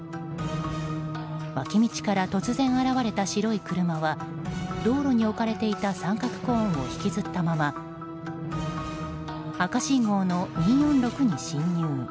脇道から突然現れた白い車は道路に置かれていた三角コーンを引きずったまま赤信号の２４６に進入。